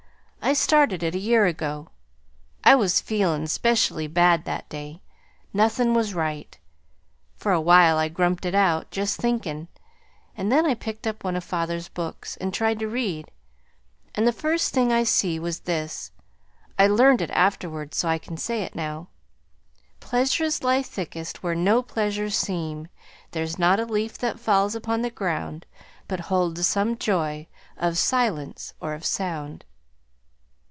I started it a year ago. I was feelin' 'specially bad that day. Nothin' was right. For a while I grumped it out, just thinkin'; and then I picked up one of father's books and tried to read. And the first thing I see was this: I learned it afterwards, so I can say it now. "'Pleasures lie thickest where no pleasures seem; There's not a leaf that falls upon the ground But holds some joy, of silence or of sound.'